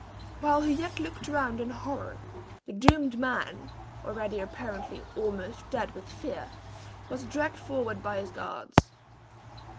While he yet looked round in horror, the doomed man, already apparently almost dead with fear, was dragged forward by his guards.